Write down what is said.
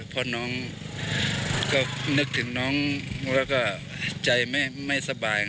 เพราะน้องก็นึกถึงน้องแล้วก็ใจไม่สบาย